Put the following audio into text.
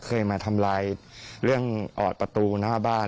เคยมาทำลายเรื่องออดประตูหน้าบ้าน